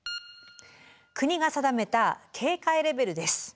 国が定めた警戒レベルです。